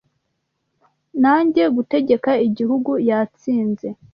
Najye gutegeka igihugu yatsinze».